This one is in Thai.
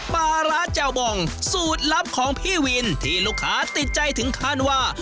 ปลาร้าแจ่วบองสูตรลับของพี่วินที่ลูกค้าติดใจถึงขั้นว่า